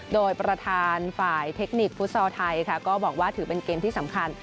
โดยประธานฝ่ายเทคนิคฟุตซอลไทยค่ะก็บอกว่าถือเป็นเกมที่สำคัญ